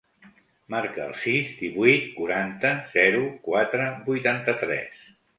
Marca el sis, divuit, quaranta, zero, quatre, vuitanta-tres.